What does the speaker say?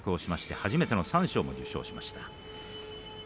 初めての三賞も受賞しました。